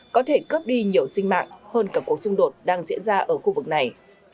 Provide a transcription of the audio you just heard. có thể cướp đi nhiều sinh mạng hơn cả cuộc xung đột đang diễn ra ở khu vực này